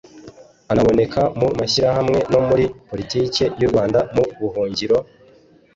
anaboneka mu mashyirahamwe no muri politike y' u rwanda mu buhungiro;